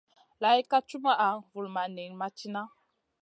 Laaɗ ka cumaʼa, vulmaʼ niyn ma cina.